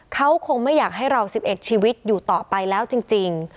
เขาคงไม่อยากให้เรา๑๑ชีวิตอยู่ต่อไปแล้วจริง